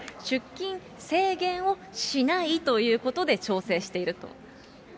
出勤制限をしないということで調整していると。